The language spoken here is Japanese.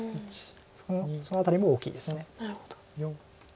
その辺りも大きいです。